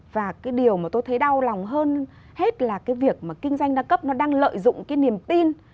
và cái điều mà tôi thấy đau lòng hơn hết là cái việc mà kinh doanh đa cấp nó đang lợi dụng cái niềm tin